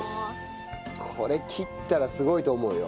これ切ったらすごいと思うよ。